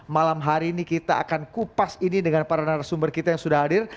malam hari ini kita akan kupas ini dengan para narasumber kita yang sudah hadir